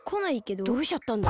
どうしちゃったんだろう。